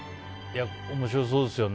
面白そうですよね。